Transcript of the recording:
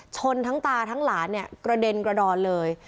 ชนทั้งตาทั้งหลานเนี่ยกระเด็นกระดอนเลย